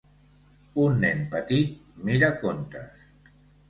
Un nen petit mira contes.